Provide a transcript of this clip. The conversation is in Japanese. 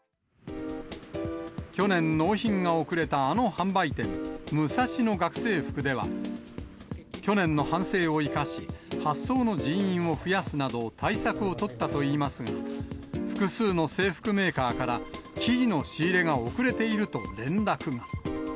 去年、納品が遅れたあの販売店、ムサシノ学生服では、去年の反省を生かし、発送の人員を増やすなど、対策を取ったといいますが、複数の制服メーカーから、生地の仕入れが遅れていると連絡が。